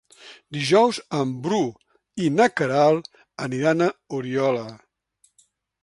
Dijous en Bru i na Queralt aniran a Oriola.